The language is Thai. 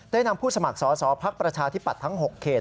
นำผู้สมัครสอสอภักดิ์ประชาธิปัตย์ทั้ง๖เขต